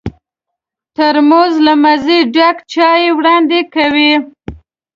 ترموز له مزې ډک چای وړاندې کوي.